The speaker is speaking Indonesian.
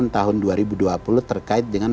tahun dua ribu dua puluh terkait dengan